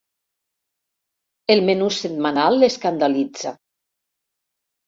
El menú setmanal l'escandalitza.